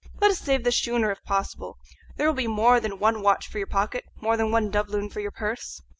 "Let us save the schooner, if possible; there will be more than one watch for your pocket, more than one doubloon for your purse.